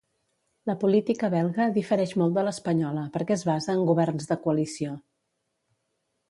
La política Belga difereix molt de l'espanyola perquè es basa en governs de coalició.